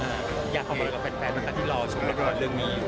อยากทำอะไรกับแฟนในการที่รอชมเรื่องนี้